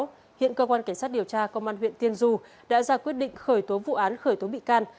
trước đó hiện cơ quan cảnh sát điều tra công an huyện tiên du đã ra quyết định khởi tố vụ án khởi tố bị can